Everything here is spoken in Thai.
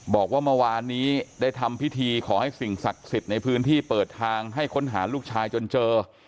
บอกว่าเมื่อวานนี้ได้ทำพิธีขอให้สิ่งศักดิ์สิทธิ์ในพื้นที่เปิดทางให้ค้นหาลูกชายจนเจอ